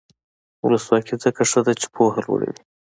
ولسواکي ځکه ښه ده چې پوهه لوړوي.